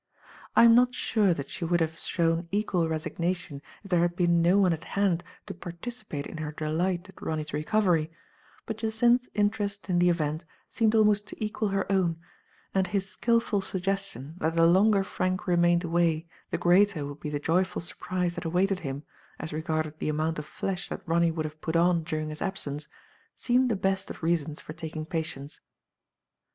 I am not sure that she would have shown equal resignation if there had been no one at hand to participate in her delight at Ronny 's recovery, but Jacynth's interest in the event seemed almost to equal her own, and his skillful suggestion that the longer Frank remained away the greater would be the joyful surprise that awaited him, as regarded the amount of flesh that Ronny would have put on during his absence, seemed the best of reasons for taking patience.